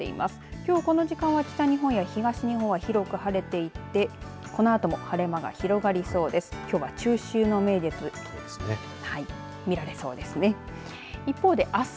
きょう、この時間は北日本や東日本は広く晴れていてこのあとも晴れ間が広がりそうです。